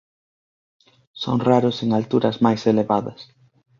Son raros en alturas máis elevadas.